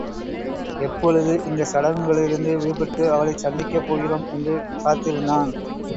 எப்பொழுது இந்தச் சடங்குகளிலிருந்து விடுபட்டு அவளைச் சந்திக்கப் போகிறோம் என்று காத்திருந்தான்.